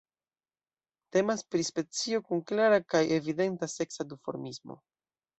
Temas pri specio kun klara kaj evidenta seksa duformismo.